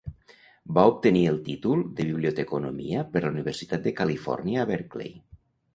Va obtenir el títol de Biblioteconomia per la Universitat de Califòrnia a Berkeley.